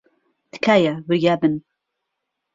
تکایە، وریا بن.